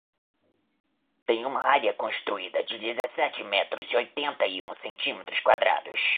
Tem uma área construída de dezessete metros e oitenta e um centímetros quadrados.